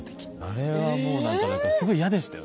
あれはもう何かだからすごい嫌でしたよ